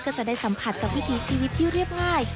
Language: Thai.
ก็จะได้สัมผัสกับวิถีชีวิตที่เรียบง่าย